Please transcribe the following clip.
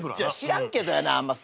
知らんけどやな。